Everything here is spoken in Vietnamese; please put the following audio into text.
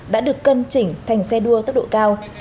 đã được cân chỉnh thành xe đua tốc độ cao